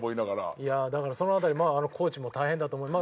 いやだからその辺りコーチも大変だと思います。